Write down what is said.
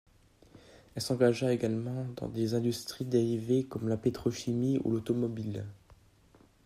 Elle s'engagea également dans des industries dérivées comme la pétrochimie ou l'automobile.